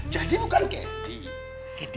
jadi bukan kedi